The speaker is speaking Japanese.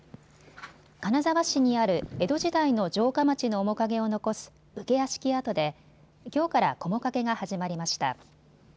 金沢市にある江戸時代の城下町の面影を残す武家屋敷跡できょうからこも掛けが始まりました。